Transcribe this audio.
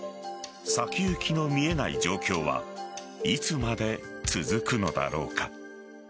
先行きの見えない状況はいつまで続くのだろうか。